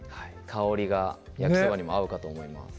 香りが焼きそばにも合うかと思います